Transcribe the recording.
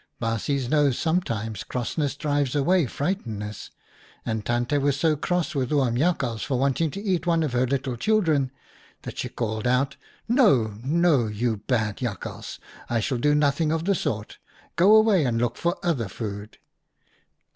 " Baasjes know, sometimes crossness drives away frightenness ; and Tante was so cross with Oom Jakhals for wanting to eat one of her little children that she called out, ' No, no, you bad Jakhals, I shall do nothing of the sort. Go away and look for other food.'